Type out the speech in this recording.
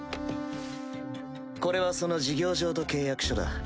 これはその事業譲渡契約書だ。